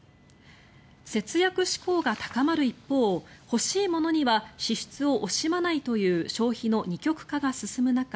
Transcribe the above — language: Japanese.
節約志向が高まる一方欲しいものには支出を惜しまないという消費の二極化が進む中